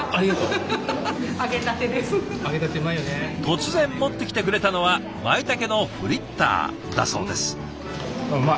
突然持ってきてくれたのはまいたけのフリッターだそうです。